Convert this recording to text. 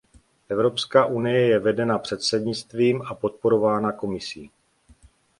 Evropská unie je vedena předsednictvím a podporována Komisí.